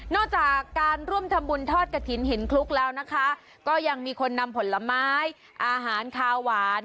จากการร่วมทำบุญทอดกระถิ่นหินคลุกแล้วนะคะก็ยังมีคนนำผลไม้อาหารคาวหวาน